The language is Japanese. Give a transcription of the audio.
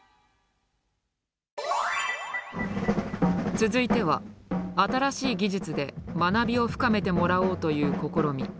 続いては新しい技術で学びを深めてもらおうという試み。